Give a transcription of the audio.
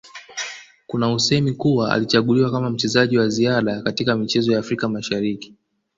Kuna usemi kuwa alichaguliwa kama mchezaji wa ziada kaitka michezo ya Afrika Mashariki